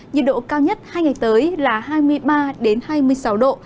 nhiệt độ cao nhất hai ngày tới là hai mươi ba hai mươi sáu độ